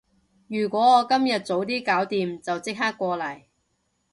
如果我今日早啲搞掂，就即刻過嚟